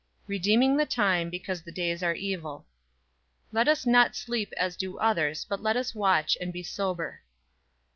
"Redeeming the time, because the days are evil." "Let us not sleep as do others, but let us watch, and be sober."